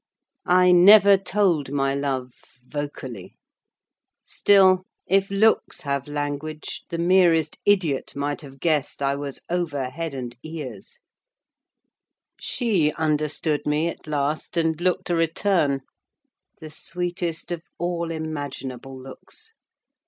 I "never told my love" vocally; still, if looks have language, the merest idiot might have guessed I was over head and ears: she understood me at last, and looked a return—the sweetest of all imaginable looks.